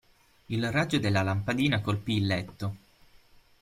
Il raggio della lampadina colpì il letto.